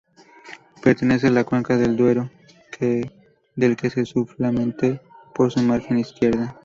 Pertenece a la cuenca del Duero, del que es subafluente por su margen izquierda.